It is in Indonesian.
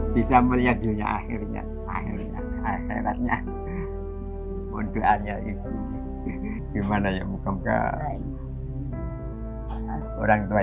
bisa melihat dunia akhirnya akhirnya akhirnya untuk arya itu gimana ya muka muka orang tua